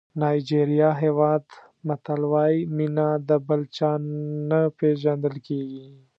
نایجېریا هېواد متل وایي مینه د بل چا نه پېژندل کېږي.